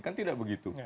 kan tidak begitu